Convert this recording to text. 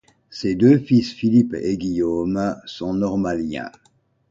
Ses deux fils, Philippe et Guillaume, sont normaliens.